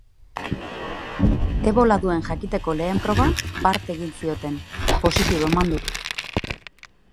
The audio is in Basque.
Ebola duen jakiteko lehen proba bart egin zioten, positibo eman du.